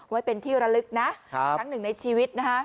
ไว้เป็นที่ระลึกนะครั้งหนึ่งในชีวิตนะฮะ